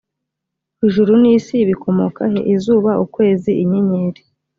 ijuru n isi bikomoka he izuba ukwezi inyenyeri